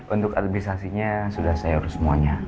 untuk administrasinya sudah saya urus semuanya